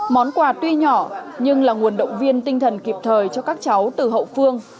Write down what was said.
món quà tuy nhỏ nhưng là nguồn động viên tinh thần kịp thời cho các cháu từ hậu phương